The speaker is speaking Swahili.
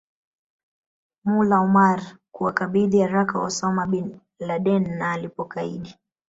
Mullah Omar kuwakabidhi haraka Osama Bin Laden na alipokaidi